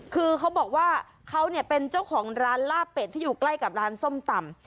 คือเขาบอกว่าเขาเนี่ยเป็นเจ้าของร้านลาบเป็ดที่อยู่ใกล้กับร้านส้มตำ